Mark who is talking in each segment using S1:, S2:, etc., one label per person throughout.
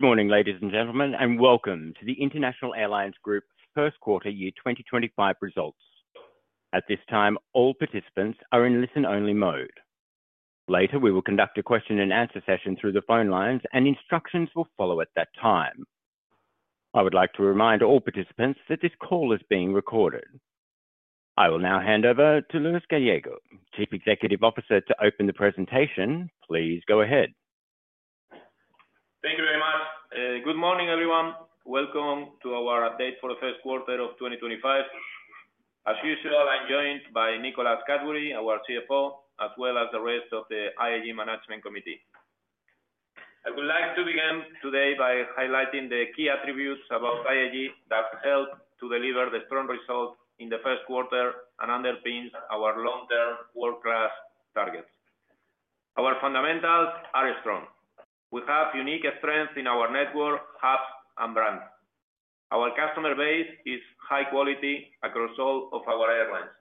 S1: Good morning, ladies and gentlemen, and welcome to the International Airlines Group first quarter year 2025 results. At this time, all participants are in listen-only mode. Later, we will conduct a question-and-answer session through the phone lines, and instructions will follow at that time. I would like to remind all participants that this call is being recorded. I will now hand over to Luis Gallego, Chief Executive Officer, to open the presentation. Please go ahead.
S2: Thank you very much. Good morning, everyone. Welcome to our update for the first quarter of 2025. As usual, I'm joined by Nicholas Cadbury, our CFO, as well as the rest of the IAG Management Committee. I would like to begin today by highlighting the key attributes about IAG that help to deliver the strong results in the first quarter and underpin our long-term world-class targets. Our fundamentals are strong. We have unique strengths in our network, hubs, and brands. Our customer base is high quality across all of our airlines,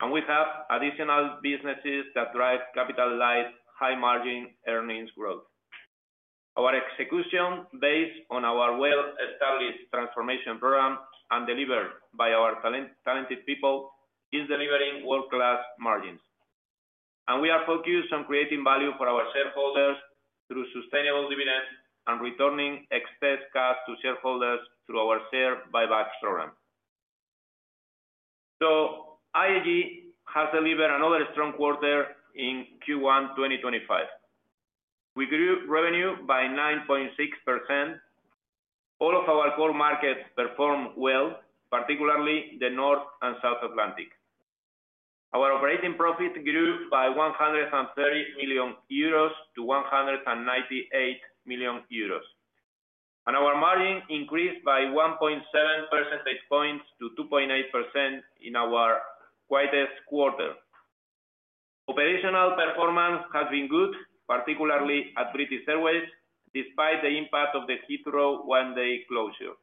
S2: and we have additional businesses that drive capital-like, high-margin earnings growth. Our execution, based on our well-established transformation program and delivered by our talented people, is delivering world-class margins. We are focused on creating value for our shareholders through sustainable dividends and returning excess cash to shareholders through our share buyback program. IAG has delivered another strong quarter in Q1 2025. We grew revenue by 9.6%. All of our core markets performed well, particularly the North and South Atlantic. Our operating profit grew by 130 million euros to 198 million euros, and our margin increased by 1.7 percentage points to 2.8% in our quietest quarter. Operational performance has been good, particularly at British Airways, despite the impact of the Heathrow one-day closure.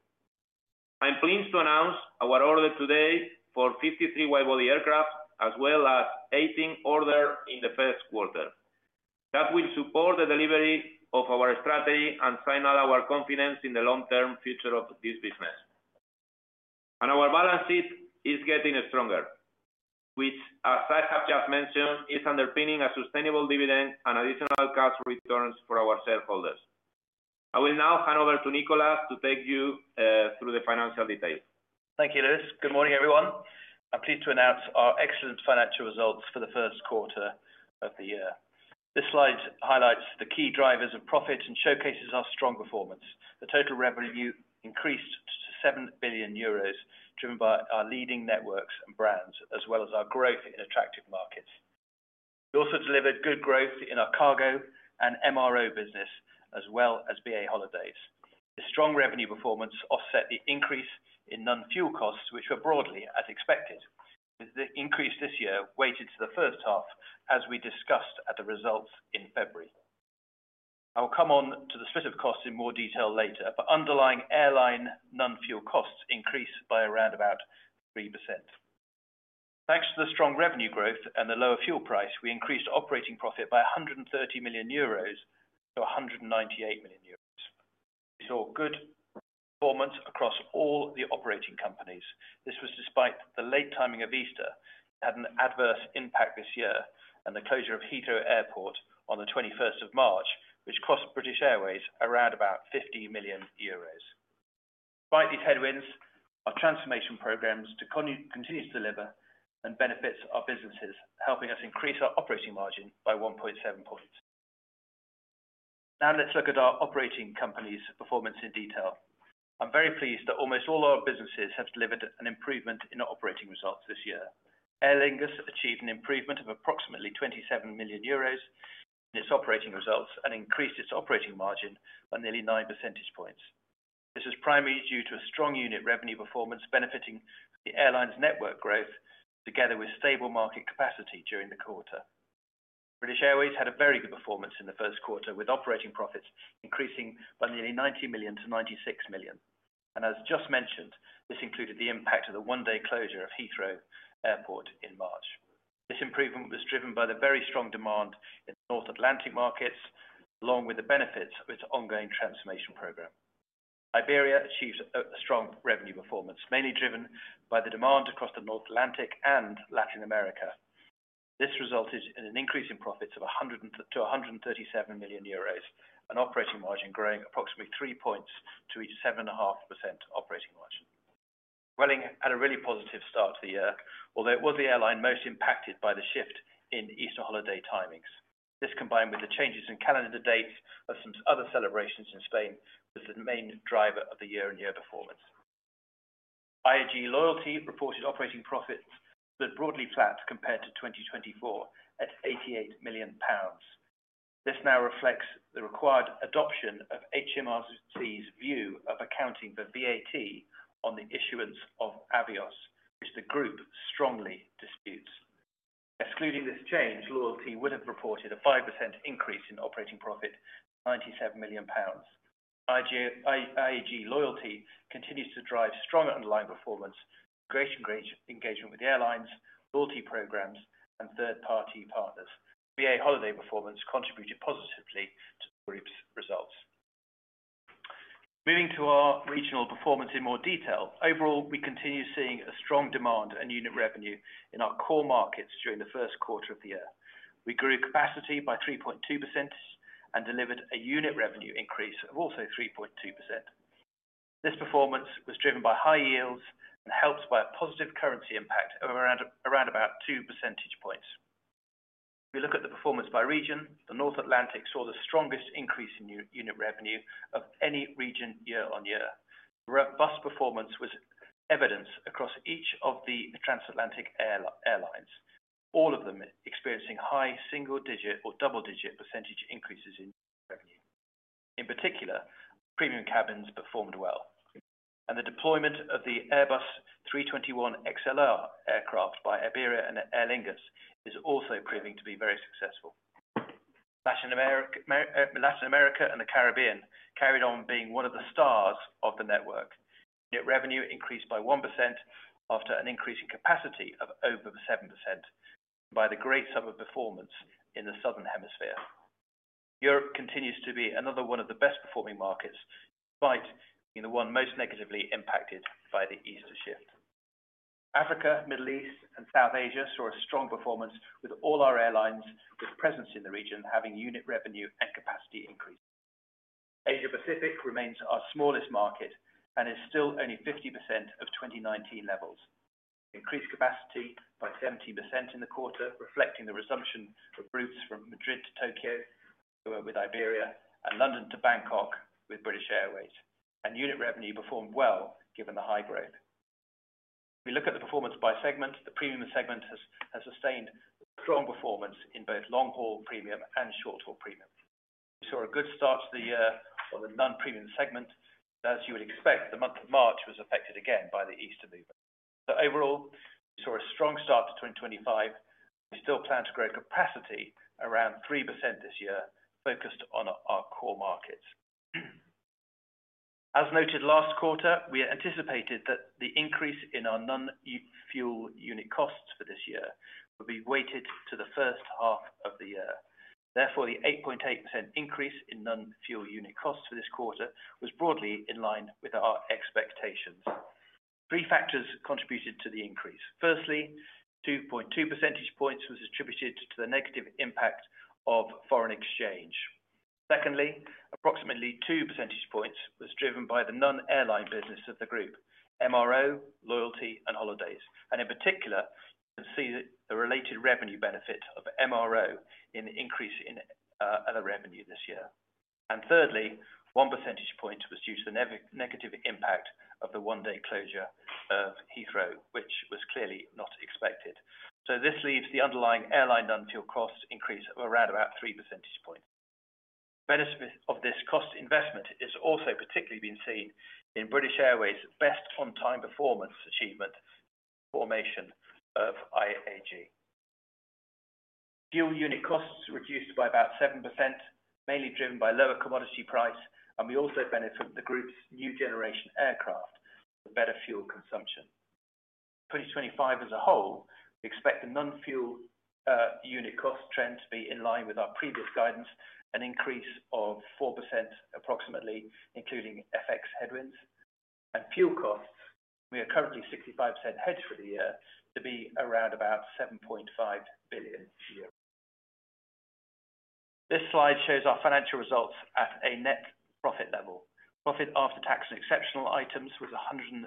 S2: I'm pleased to announce our order today for 53 widebody aircraft, as well as 18 orders in the first quarter. That will support the delivery of our strategy and signal our confidence in the long-term future of this business. Our balance sheet is getting stronger, which, as I have just mentioned, is underpinning a sustainable dividend and additional cash returns for our shareholders. I will now hand over to Nicholas to take you through the financial details.
S3: Thank you, Luis. Good morning, everyone. I'm pleased to announce our excellent financial results for the first quarter of the year. This slide highlights the key drivers of profit and showcases our strong performance. The total revenue increased to 7 billion euros, driven by our leading networks and brands, as well as our growth in attractive markets. We also delivered good growth in our cargo and MRO business, as well as BA Holidays. The strong revenue performance offset the increase in non-fuel costs, which were broadly as expected, with the increase this year weighted to the first half, as we discussed at the results in February. I will come on to the split of costs in more detail later, but underlying airline non-fuel costs increased by around about 3%. Thanks to the strong revenue growth and the lower fuel price, we increased operating profit by 130 million euros to 198 million euros. We saw good performance across all the operating companies. This was despite the late timing of Easter, which had an adverse impact this year, and the closure of Heathrow Airport on the 21st of March, which cost British Airways around about 50 million euros. Despite these headwinds, our transformation programs continue to deliver and benefit our businesses, helping us increase our operating margin by 1.7 points. Now let's look at our operating companies' performance in detail. I'm very pleased that almost all our businesses have delivered an improvement in operating results this year. Aer Lingus a achieved an improvement of approximately 27 million euros in its operating results and increased its operating margin by nearly 9 percentage points. This is primarily due to a strong unit revenue performance benefiting the airline's network growth, together with stable market capacity during the quarter. British Airways had a very good performance in the first quarter, with operating profits increasing by nearly 90 million to 96 million. As just mentioned, this included the impact of the one-day closure of Heathrow Airport in March. This improvement was driven by the very strong demand in the North Atlantic markets, along with the benefits of its ongoing transformation program. Iberia achieved a strong revenue performance, mainly driven by the demand across the North Atlantic and Latin America. This resulted in an increase in profits of 100 million to 137 million euros and operating margin growing approximately 3 points to reach 7.5% operating margin. Vueling had a really positive start to the year, although it was the airline most impacted by the shift in Easter holiday timings. This, combined with the changes in calendar dates of some other celebrations in Spain, was the main driver of the year-on-year performance. IAG Loyalty reported operating profits that were broadly flat compared to 2024 at 88 million pounds. This now reflects the required adoption of HMRC's view of accounting for VAT on the issuance of Avios, which the group strongly disputes. Excluding this change, Loyalty would have reported a 5% increase in operating profit to 97 million pounds. IAG Loyalty continues to drive strong underlying performance, greater engagement with airlines, loyalty programs, and third-party partners. BA Holidays performance contributed positively to the group's results. Moving to our regional performance in more detail, overall, we continue seeing strong demand and unit revenue in our core markets during the first quarter of the year. We grew capacity by 3.2% and delivered a unit revenue increase of also 3.2%. This performance was driven by high yields and helped by a positive currency impact of around about 2 percentage points. If we look at the performance by region, the North Atlantic saw the strongest increase in unit revenue of any region year-on-year. Robust performance was evidenced across each of the trans-atlantic airlines, all of them experiencing high single-digit or double-digit percentage increases in revenue. In particular, premium cabins performed well, and the deployment of the Airbus A321XLR aircraft by Iberia and Aer Lingus is also proving to be very successful. Latin America and the Caribbean carried on being one of the stars of the network. Unit revenue increased by 1% after an increase in capacity of over 7%, followed by the great sum of performance in the Southern Hemisphere. Europe continues to be another one of the best-performing markets, despite being the one most negatively impacted by the Easter shift. Africa, Middle East, and South Asia saw a strong performance, with all our airlines with presence in the region having unit revenue and capacity increase. Asia-Pacific remains our smallest market and is still only 50% of 2019 levels. Increased capacity by 17% in the quarter, reflecting the resumption of routes from Madrid to Tokyo, with Iberia, and London to Bangkok with British Airways. Unit revenue performed well given the high growth. If we look at the performance by segment, the premium segment has sustained strong performance in both long-haul premium and short-haul premium. We saw a good start to the year on the non-premium segment, but as you would expect, the month of March was affected again by the Easter movement. Overall, we saw a strong start to 2025. We still plan to grow capacity around 3% this year, focused on our core markets. As noted last quarter, we anticipated that the increase in our non-fuel unit costs for this year would be weighted to the first half of the year. Therefore, the 8.8% increase in non-fuel unit costs for this quarter was broadly in line with our expectations. Three factors contributed to the increase. Firstly, 2.2 percentage points was attributed to the negative impact of foreign exchange. Secondly, approximately 2 percentage points was driven by the non-airline business of the group, MRO, loyalty, and holidays. In particular, you can see the related revenue benefit of MRO in the increase in revenue this year. Thirdly, 1 percentage point was due to the negative impact of the one-day closure of Heathrow, which was clearly not expected. This leaves the underlying airline non-fuel cost increase of around about 3 percentage points. The benefit of this cost investment has also particularly been seen in British Airways' best on-time performance achievement formation of IAG. Fuel unit costs reduced by about 7%, mainly driven by lower commodity price, and we also benefit from the group's new generation aircraft with better fuel consumption. For 2025 as a whole, we expect the non-fuel unit cost trend to be in line with our previous guidance, an increase of 4% approximately, including FX headwinds. Fuel costs, we are currently 65% hedged for the year, to be around about 7.5 billion a year. This slide shows our financial results at a net profit level. Profit after tax and exceptional items was 176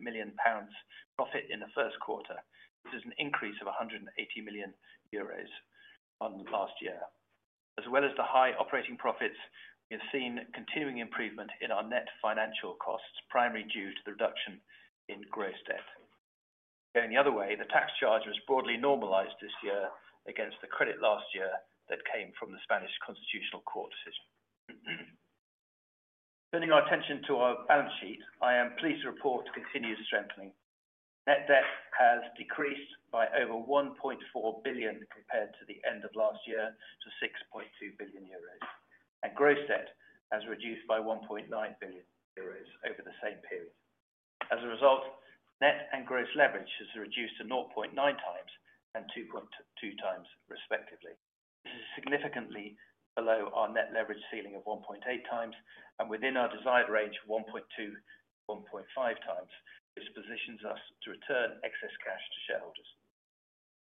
S3: million pounds profit in the first quarter. This is an increase of 180 million euros last year. As well as the high operating profits, we have seen continuing improvement in our net financial costs, primarily due to the reduction in gross debt. Going the other way, the tax charge was broadly normalized this year against the credit last year that came from the Spanish Constitutional Court decision. Turning our attention to our balance sheet, I am pleased to report continued strengthening. Net debt has decreased by over 1.4 billion compared to the end of last year to 6.2 billion euros, and gross debt has reduced by 1.9 billion euros over the same period. As a result, net and gross leverage has reduced to 0.9x and 2.2x, respectively. This is significantly below our net leverage ceiling of 1.8x and within our desired range of 1.2x-1.5x, which positions us to return excess cash to shareholders.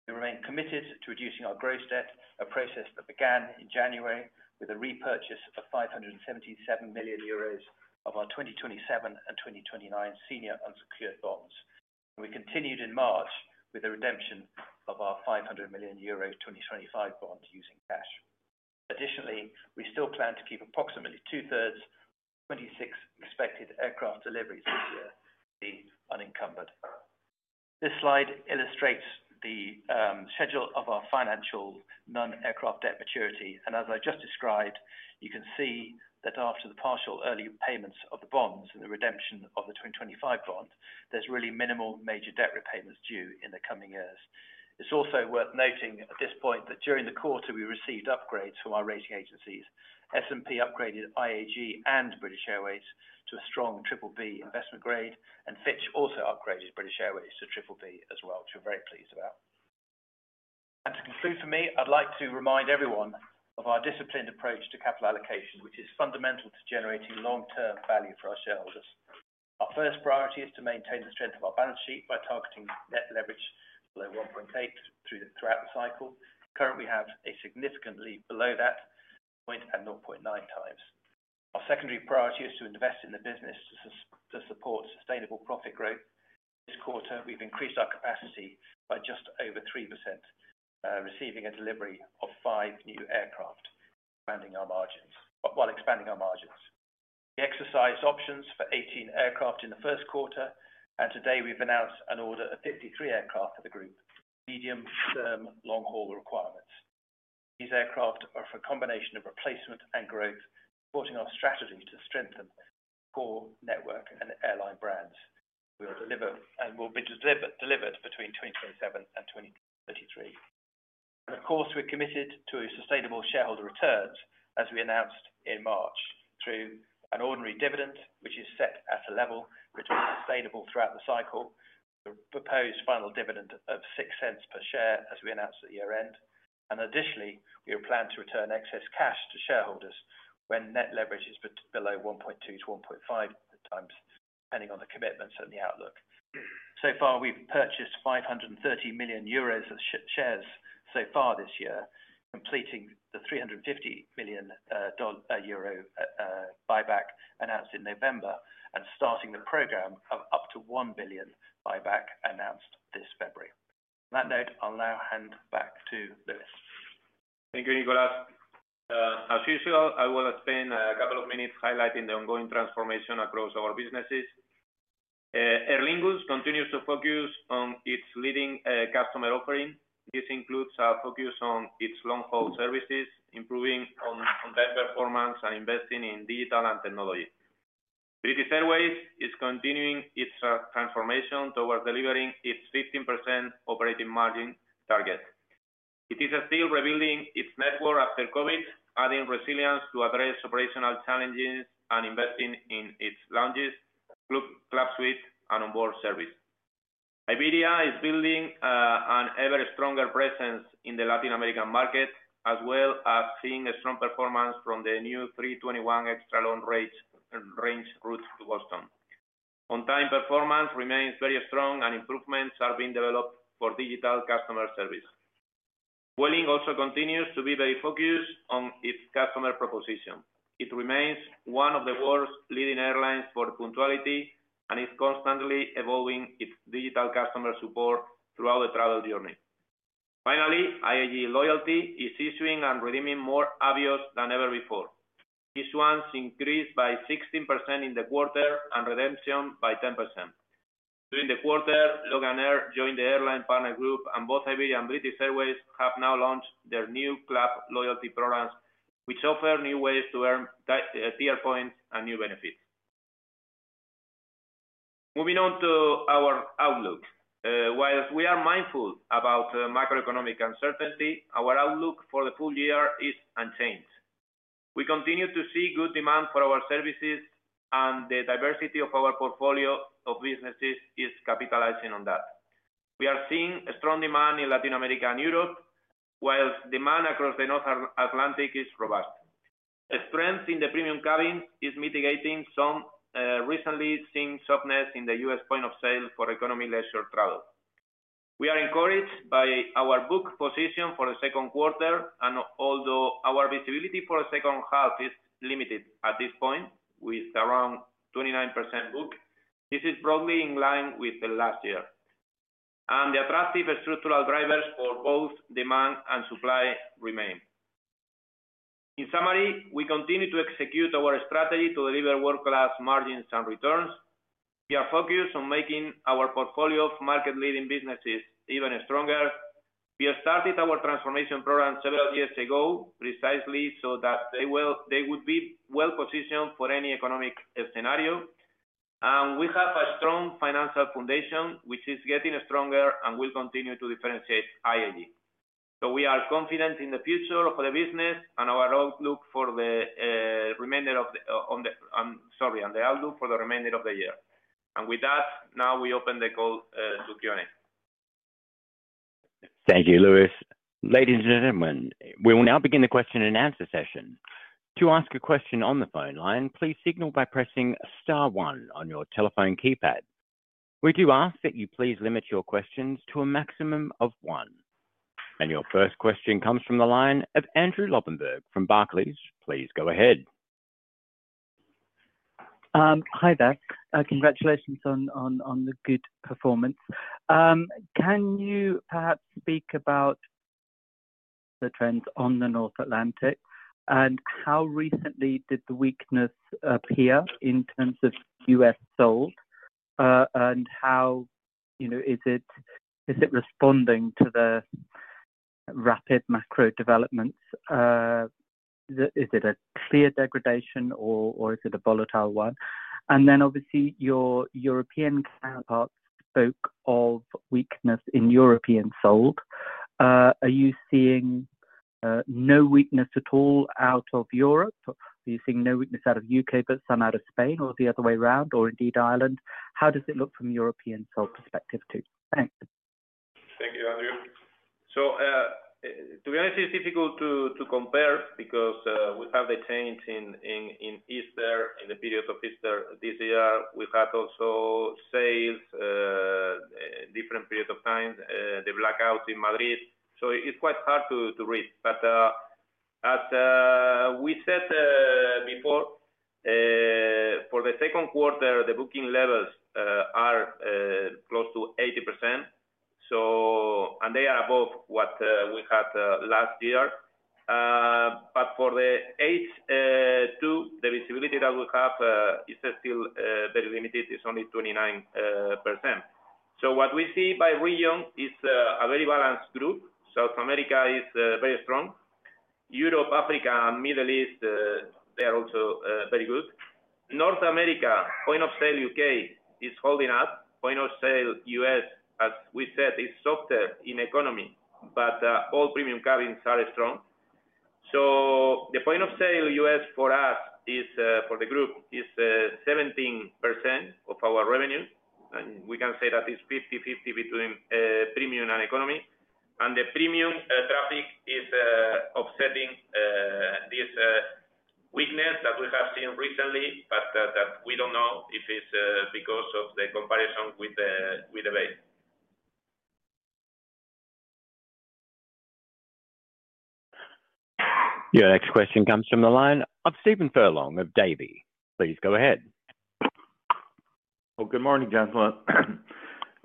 S3: We remain committed to reducing our gross debt, a process that began in January with a repurchase of 577 million euros of our 2027 and 2029 senior unsecured bonds. We continued in March with the redemption of our 500 million euro 2025 bond using cash. Additionally, we still plan to keep approximately 2/3 of 26 expected aircraft deliveries this year unencumbered. This slide illustrates the schedule of our financial non-aircraft debt maturity. As I just described, you can see that after the partial early payments of the bonds and the redemption of the 2025 bond, there is really minimal major debt repayments due in the coming years. It is also worth noting at this point that during the quarter, we received upgrades from our rating agencies. S&P upgraded IAG and British Airways to a strong BBB investment grade, and Fitch also upgraded British Airways to BBB as well, which we're very pleased about. To conclude for me, I'd like to remind everyone of our disciplined approach to capital allocation, which is fundamental to generating long-term value for our shareholders. Our first priority is to maintain the strength of our balance sheet by targeting net leverage below 1.8 throughout the cycle. Currently, we have a significant leap below that point at 0.9x. Our secondary priority is to invest in the business to support sustainable profit growth. This quarter, we've increased our capacity by just over 3%, receiving a delivery of five new aircraft while expanding our margins. We exercised options for 18 aircraft in the first quarter, and today we've announced an order of 53 aircraft for the group. Medium-term long-haul requirements. These aircraft are for a combination of replacement and growth, supporting our strategy to strengthen core network and airline brands. We will deliver and will be delivered between 2027 and 2033. Of course, we're committed to sustainable shareholder returns, as we announced in March, through an ordinary dividend, which is set at a level which will be sustainable throughout the cycle. The proposed final dividend of 0.06 per share, as we announced at year-end. Additionally, we are planned to return excess cash to shareholders when net leverage is below 1.2x-1.5x, depending on the commitments and the outlook. So far, we've purchased 530 million euros of shares so far this year, completing the EUR 350 million buyback announced in November and starting the program of up to 1 billion buyback announced this February. On that note, I'll now hand back to Luis.
S2: Thank you, Nicholas. As usual, I will spend a couple of minutes highlighting the ongoing transformation across our businesses. Aer Lingus continues to focus on its leading customer offering. This includes a focus on its long-haul services, improving on-time performance, and investing in digital and technology. British Airways is continuing its transformation towards delivering its 15% operating margin target. It is still rebuilding its network after COVID, adding resilience to address operational challenges and investing in its lounges, club suites, and onboard service. Iberia is building an ever-stronger presence in the Latin American market, as well as seeing a strong performance from the new A321XLR route to Boston. On-time performance remains very strong, and improvements are being developed for digital customer service. Vueling also continues to be very focused on its customer proposition. It remains one of the world's leading airlines for punctuality and is constantly evolving its digital customer support throughout the travel journey. Finally, IAG Loyalty is issuing and redeeming more Avios than ever before. This one increased by 16% in the quarter and redemption by 10%. During the quarter, Loganair joined the airline partner group, and both Iberia and British Airways have now launched their new club loyalty programs, which offer new ways to earn tier points and new benefits. Moving on to our outlook. While we are mindful about macroeconomic uncertainty, our outlook for the full year is unchanged. We continue to see good demand for our services, and the diversity of our portfolio of businesses is capitalizing on that. We are seeing strong demand in Latin America and Europe, while demand across the North Atlantic is robust. Strength in the premium cabins is mitigating some recently seen softness in the U.S. point of sale for economy leisure travel. We are encouraged by our book position for the second quarter, and although our visibility for the second half is limited at this point, with around 29% booked, this is broadly in line with last year. The attractive structural drivers for both demand and supply remain. In summary, we continue to execute our strategy to deliver world-class margins and returns. We are focused on making our portfolio of market-leading businesses even stronger. We started our transformation program several years ago, precisely so that they would be well-positioned for any economic scenario. We have a strong financial foundation, which is getting stronger and will continue to differentiate IAG. We are confident in the future of the business and our outlook for the remainder of the year. With that, now we open the call to Q&A.
S1: Thank you, Luis. Ladies and gentlemen, we will now begin the question and answer session. To ask a question on the phone line, please signal by pressing star one on your telephone keypad. We do ask that you please limit your questions to a maximum of one. Your first question comes from the line of Andrew Lobbenberg from Barclays. Please go ahead.
S4: Hi there. Congratulations on the good performance. Can you perhaps speak about the trends on the North Atlantic and how recently did the weakness appear in terms of U.S., sold, and how is it responding to the rapid macro developments? Is it a clear degradation, or is it a volatile one? Obviously, your European counterparts spoke of weakness in European sold. Are you seeing no weakness at all out of Europe? Are you seeing no weakness out of the U.K., but some out of Spain, or the other way around, or indeed Ireland? How does it look from a European sold perspective too? Thanks.
S3: Thank you, Andrew. To be honest, it's difficult to compare because we have the change in Easter in the period of Easter this year. We had also sales in different periods of time, the blackout in Madrid. It's quite hard to read. As we said before, for the second quarter, the booking levels are close to 80%, and they are above what we had last year. For the eighth two, the visibility that we have is still very limited. It's only 29%. What we see by region is a very balanced group. South America is very strong. Europe, Africa, Middle East, they are also very good. North America, point of sale U.K., is holding up. Point of sale U.S., as we said, is softer in economy, but all premium cabins are strong. The point of sale U.S., for us, for the group, is 17% of our revenue. We can say that it's 50-50 between premium and economy. The premium traffic is offsetting this weakness that we have seen recently, but we do not know if it's because of the comparison with the base. Your next question comes from the line of Stephen Furlong of Davy. Please go ahead.
S5: Good morning, gentlemen.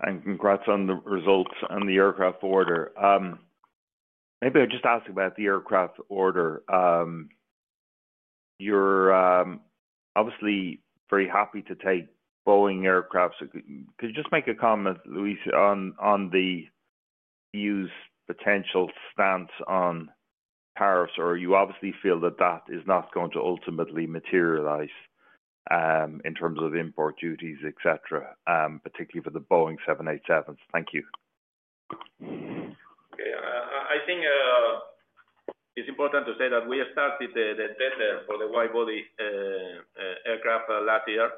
S5: Congrats on the results and the aircraft order. Maybe I'll just ask about the aircraft order. You're obviously very happy to take Boeing aircraft. Could you just make a comment, Luis, on the used potential stance on tariffs, or you obviously feel that that is not going to ultimately materialize in terms of import duties, etc., particularly for the Boeing 787s? Thank you.
S2: Okay. I think it's important to say that we started the tender for the widebody aircraft last year.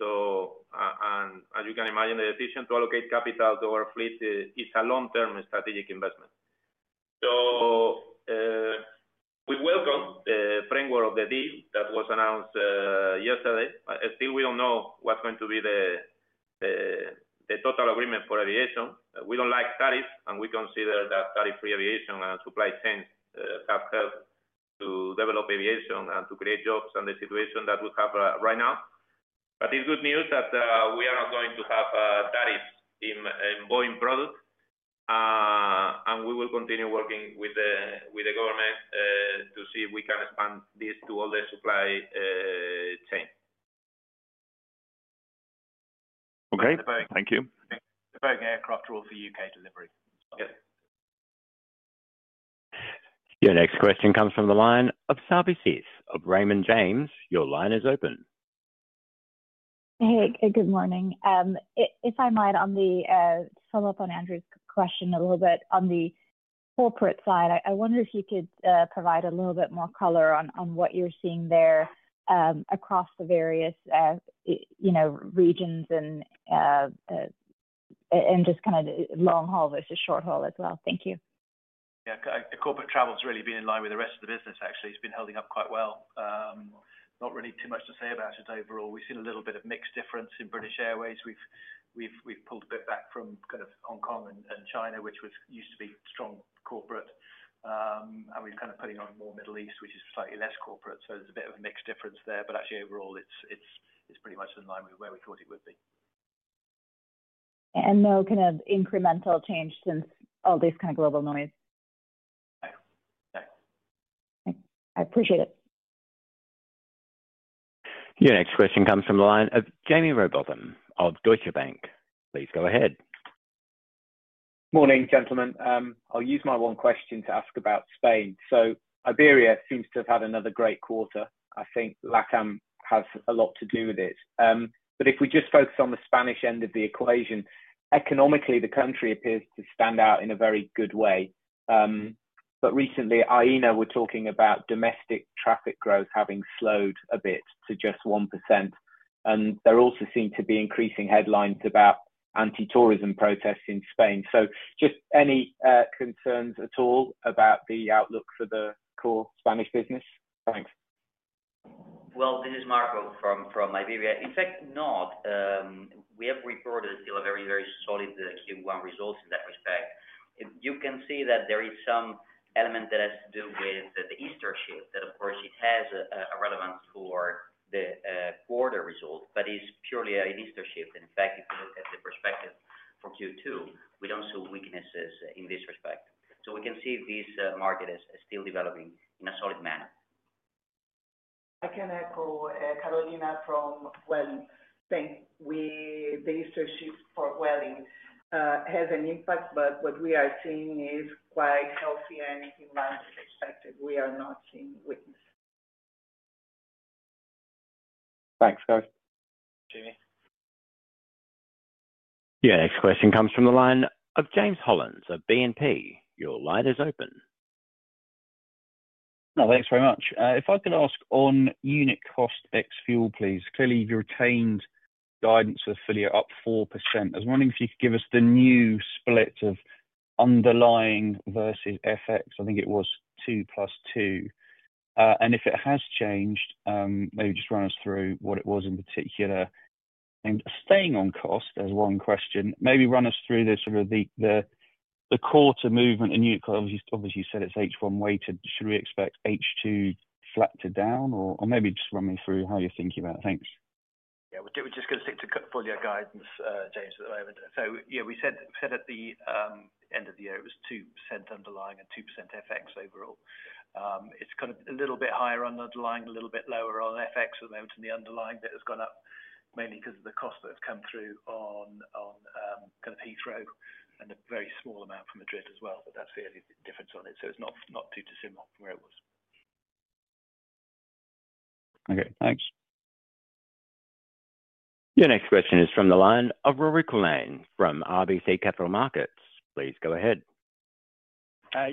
S2: As you can imagine, the decision to allocate capital to our fleet is a long-term strategic investment. We welcome the framework of the deal that was announced yesterday. Still, we do not know what is going to be the total agreement for aviation. We do not like tariffs, and we consider that tariff-free aviation and supply chains have helped to develop aviation and to create jobs and the situation that we have right now. It is good news that we are not going to have tarriff in Boeing products . We will continue working with the government to see if we can expand this to all the supply chains.
S5: Okay. Thank you. Aircraft rules for U.K. delivery.
S2: Yes.
S1: Your next question comes from the line of services of Raymond James. Your line is open.
S6: Hey, good morning. If I might, to follow up on Andrew's question a little bit on the corporate side, I wonder if you could provide a little bit more color on what you're seeing there across the various regions and just kind of long-haul versus short-haul as well. Thank you.
S3: Yeah. Corporate travel has really been in line with the rest of the business, actually. It's been holding up quite well. Not really too much to say about it overall. We've seen a little bit of mixed difference in British Airways. We've pulled a bit back from kind of Hong Kong and China, which used to be strong corporate. We're kind of putting on more Middle East, which is slightly less corporate. There's a bit of a mixed difference there. Actually, overall, it's pretty much in line with where we thought it would be.
S6: No kind of incremental change since all this kind of global noise? No. No. I appreciate it.
S1: Your next question comes from the line of Jaime Rowbotham of Deutsche Bank. Please go ahead.
S7: Morning, gentlemen. I'll use my one question to ask about Spain. Iberia seems to have had another great quarter. I think LATAM has a lot to do with it. If we just focus on the Spanish end of the equation, economically, the country appears to stand out in a very good way. Recently, Aena were talking about domestic traffic growth having slowed a bit to just 1%. There also seem to be increasing headlines about anti-tourism protests in Spain. Just any concerns at all about the outlook for the core Spanish business? Thanks.
S8: This is Marco from Iberia. In fact, not. We have reported still a very, very solid Q1 result in that respect. You can see that there is some element that has to do with the Easter shift that, of course, it has a relevance for the quarter result, but it is purely an Easter shift. In fact, if you look at the perspective for Q2, we do not see weaknesses in this respect. We can see these markets are still developing in a solid manner.
S9: I can echo Carolina from Vueling. I think the Easter shift for Vueling has an impact, but what we are seeing is quite healthy and in line with expected. We are not seeing weakness.
S8: Thanks, guys. Jamie,
S1: your next question comes from the line of James Hollins of BNP. Your line is open.
S10: No, thanks very much. If I could ask on unit cost ex-fuel, please. Clearly, you've retained guidance with ex-fuel up 4%. I was wondering if you could give us the new split of underlying versus FX. I think it was 2 plus 2. If it has changed, maybe just run us through what it was in particular. Staying on cost as one question, maybe run us through the sort of the quarter movement. You obviously said it's H1 weighted. Should we expect H2 flat-to-down? Or maybe just run me through how you're thinking about it. Thanks.
S3: Yeah, we're just going to stick to full year guidance, James, at the moment. Yeah, we said at the end of the year it was 2% underlying and 2% FX overall. It's kind of a little bit higher on underlying, a little-bit lower on FX at the moment. The underlying bit has gone up mainly because of the cost that has come through on kind of Heathrow and a very small amount from Madrid as well. That is the only difference on it. It's not too dissimilar from where it was.
S1: Okay. Thanks. Your next question is from the line of Rurik Lane from RBC Capital Markets. Please go ahead.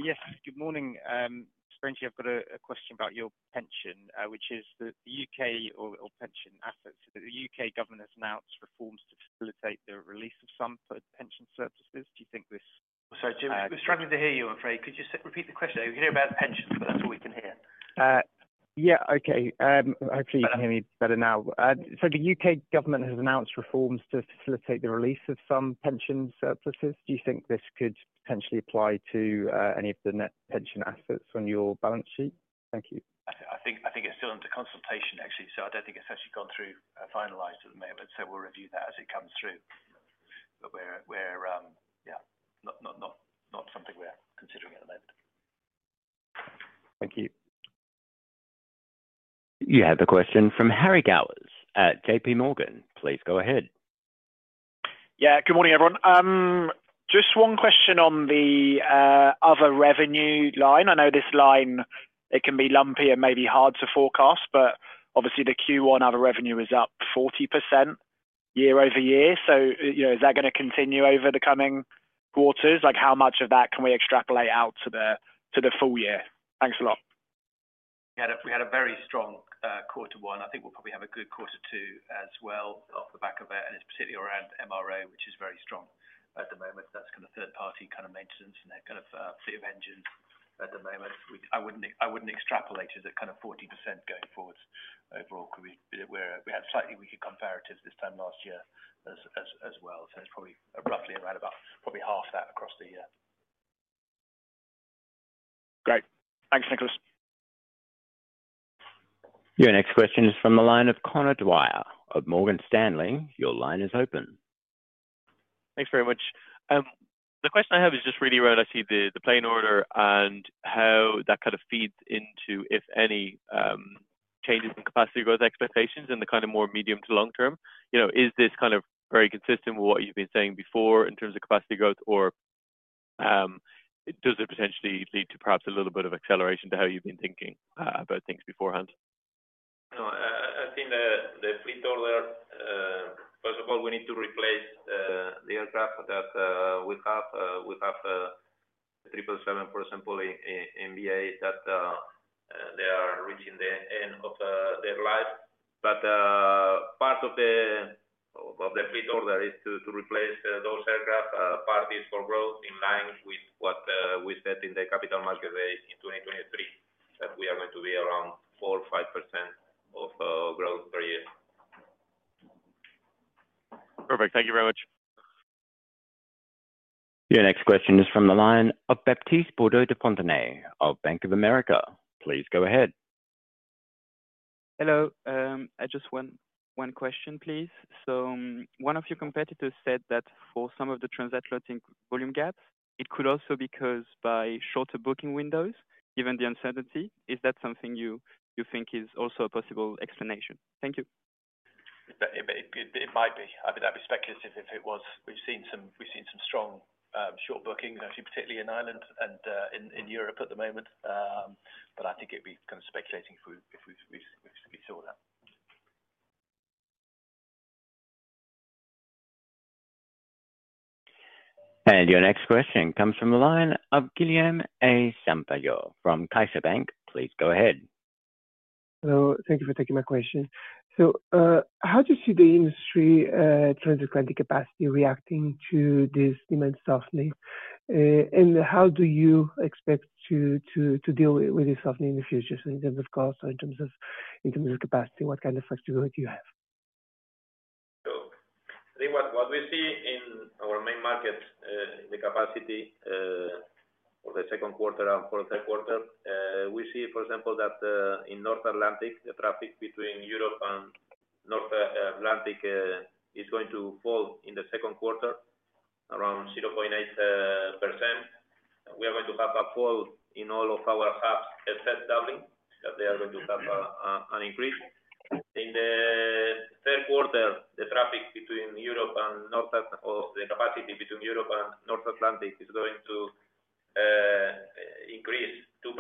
S11: Yes. Good morning. Sprinty, I've got a question about your pension, which is the U.K. or pension assets. The U.K. government has announced reforms to facilitate the release of some pension surpluses. Do you think this?
S3: Sorry, Tim. I was struggling to hear you, I'm afraid. Could you repeat the question? We can hear about pensions, but that's all we can hear.
S11: Yeah. Okay. Hopefully, you can hear me better now. The U.K. government has announced reforms to facilitate the release of some pension surpluses. Do you think this could potentially apply to any of the net pension assets on your balance sheet? Thank you.
S3: I think it's still under consultation, actually. I don't think it's actually gone through finalized at the moment. We'll review that as it comes through. Yeah, not something we're considering at the moment. Thank you.
S1: You have a question from Harry Gowers at JPMorgan. Please go ahead.
S12: Yeah. Good morning, everyone. Just one question on the other revenue line. I know this line, it can be lumpy and maybe hard to forecast, but obviously, the Q1 other revenue is up 40% year over year. Is that going to continue over the coming quarters? How much of that can we extrapolate out to the full year? Thanks a lot.
S3: We had a very strong quarter one. I think we'll probably have a good quarter two as well off the back of it. It is particularly around MRO, which is very strong at the moment. That is kind of third-party kind of maintenance and that kind of fleet of engines at the moment. I would not extrapolate it at 40% going forward overall. We had slightly weaker comparatives this time last year as well. It's probably roughly around about half that across the year.
S1: Great. Thanks, Nicholas. Your next question is from the line of Conor Dwyer of Morgan Stanley. Your line is open.
S13: Thanks very much. The question I have is just really around, I see the plane order and how that kind of feeds into, if any, changes in capacity growth expectations in the kind of more medium to long term. Is this kind of very consistent with what you've been saying before in terms of capacity growth, or does it potentially lead to perhaps a little bit of acceleration to how you've been thinking about things beforehand?
S3: I think the fleet order, first of all, we need to replace the aircraft that we have. We have the 777, for example, in BA that they are reaching the end of their life. Part of the fleet order is to replace those aircraft, partly for growth in line with what we said in the capital market rate in 2023, that we are going to be around 4%-5% of growth per year.
S13: Perfect. Thank you very much.
S1: Your next question is from the line of Baptiste Bourdeau de Fontenay of Bank of America. Please go ahead.
S14: Hello. Just one question, please. One of your competitors said that for some of the trans-atlantic volume gaps, it could also be because of shorter booking windows, given the uncertainty. Is that something you think is also a possible explanation? Thank you.
S3: It might be. I mean, I'd be speculative if it was. We've seen some strong short bookings, actually, particularly in Ireland and in Europe at the moment. I think it'd be kind of speculating if we saw that.
S1: Your next question comes from the line of Guilherme Sampaio from CaixaBank. Please go ahead.
S15: Hello. Thank you for taking my question. How do you see the industry trans-atlantic capacity reacting to this demand softening? How do you expect to deal with this softening in the future? In terms of cost or in terms of capacity, what kind of flexibility do you have?
S3: I think what we see in our main market, the capacity for the second quarter and for the third quarter, we see, for example, that in North Atlantic, the traffic between Europe and North Atlantic is going to fall in the second quarter around 0.8%. We are going to have a fall in all of our hubs except Dublin, that they are going to have an increase. In the third quarter, the traffic between Europe and North Atlantic or the capacity between Europe and North Atlantic is going to increase 2%.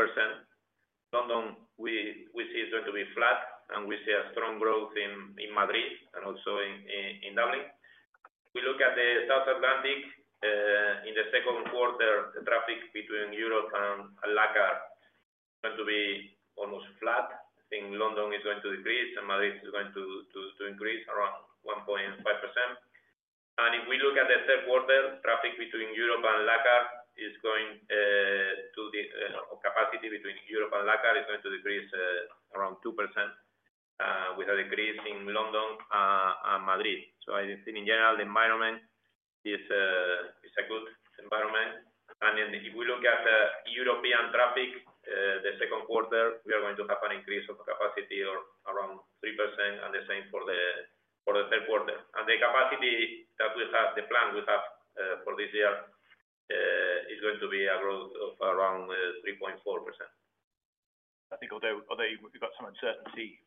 S3: London, we see it's going to be flat, and we see a strong growth in Madrid and also in Dublin. We look at the South Atlantic, in the second quarter, the traffic between Europe and LAC is going to be almost flat. I think London is going to decrease, and Madrid is going to increase around 1.5%. If we look at the third quarter, traffic between Europe and South Atlantic is going to, the capacity between Europe and LAC is going to decrease around 2% with a decrease in London and Madrid. I think, in general, the environment is a good environment. If we look at the European traffic, the second quarter, we are going to have an increase of capacity of around 3%, and the same for the third quarter. The capacity that we have, the plan we have for this year, is going to be a growth of around 3.4%. I think although we've got some uncertainty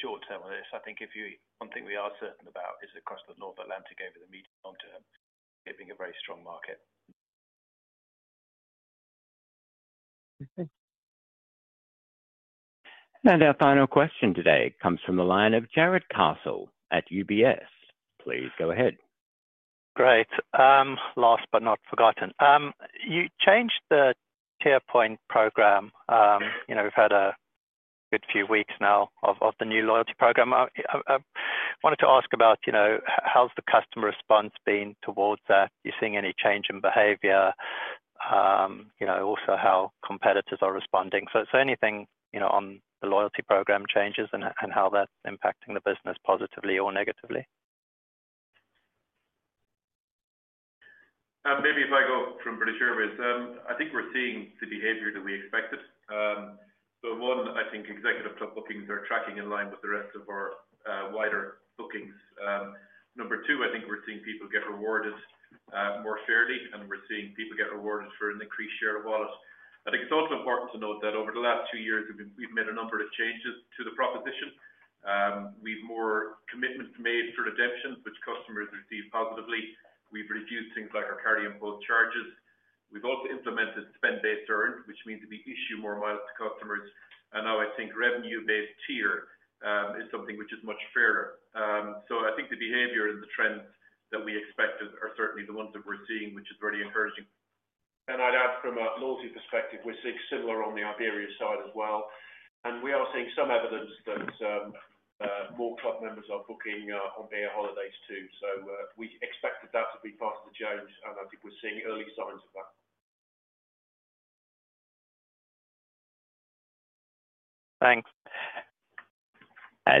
S3: short-term on this, I think if you one thing we are certain about is across the North Atlantic over the medium to long term, it being a very strong market.
S15: Okay.
S1: Our final question today comes from the line of Jarrod Castle at UBS. Please go ahead.
S16: Great. Last but not forgotten. You changed the Tier Points program. We've had a good few weeks now of the new loyalty program. I wanted to ask about how's the customer response been towards that? You're seeing any change in behavior? Also, how competitors are responding? Anything on the loyalty program changes and how that's impacting the business positively or negatively?
S3: Maybe if I go from British Airways, I think we're seeing the behavior that we expected. One, I think executive bookings are tracking in line with the rest of our wider bookings. Number two, I think we're seeing people get rewarded more fairly, and we're seeing people get rewarded for an increased share of wallets. I think it's also important to note that over the last two years, we've made a number of changes to the proposition. We've made more commitments made for redemptions, which customers receive positively. We've reduced things like our carry and post charges. We've also implemented spend-based earn, which means that we issue more miles to customers. Now I think revenue-based tier is something which is much fairer. I think the behavior and the trends that we expected are certainly the ones that we're seeing, which is very encouraging. I'd add from a loyalty perspective, we're seeing similar on the Iberia side as well. We are seeing some evidence that more club members are booking on their holidays too. We expected that to be part of the change, and I think we're seeing early signs of that.
S1: Thanks.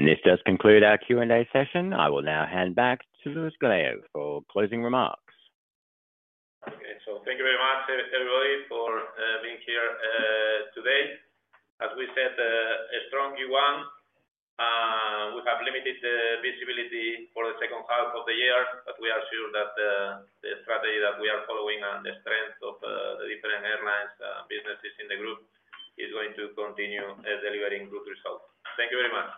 S1: This does conclude our Q&A session. I will now hand back to Luis Gallego for closing remarks.
S2: Okay. Thank you very much, everybody, for being here today. As we said, a strong Q1. We have limited visibility for the second half of the year, but we are sure that the strategy that we are following and the strength of the different airlines and businesses in the group is going to continue delivering good results. Thank you very much.